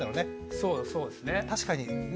そうそうですね。